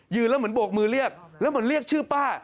แล้วเหมือนโบกมือเรียกแล้วเหมือนเรียกชื่อป้า